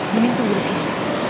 bening tunggu disini